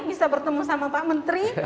bisa bertemu sama pak menteri